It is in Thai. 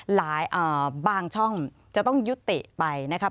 บางช่องจะต้องยุติไปนะครับ